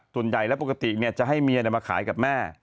ส่วนใหญ่แล้วปกติจะให้เมียมาขายกับแม่